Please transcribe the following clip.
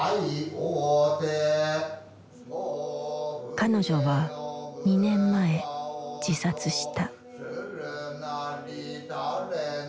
彼女は２年前自殺した。